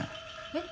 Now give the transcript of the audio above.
えっ？